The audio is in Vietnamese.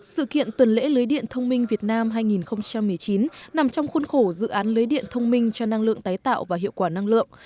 sự kiện tuần lễ lưới điện thông minh việt nam hai nghìn một mươi chín nằm trong khuôn khổ dự án lưới điện thông minh cho năng lượng tái tạo và hiệu quả năng lượng